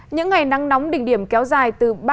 những ngày nắng nóng đỉnh điểm kéo dài